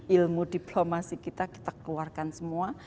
ilmu diplomasi kita kita keluarkan semua